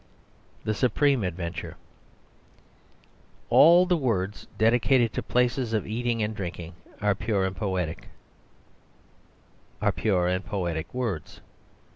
The Supreme Adventure All the words dedicated to places of eating and drinking are pure and poetic words.